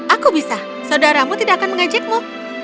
aku bisa saudaramu tidak akan mengajakmu